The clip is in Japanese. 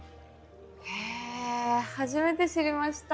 へえ初めて知りました。